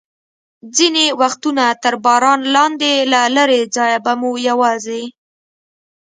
ځینې وختونه تر باران لاندې، له لرې ځایه به مو یوازې.